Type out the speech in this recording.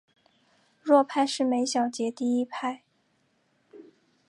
强拍是每小节第一拍。